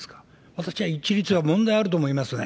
私は一律は問題あると思いますね。